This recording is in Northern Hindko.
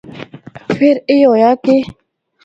فر اے ہویا کہ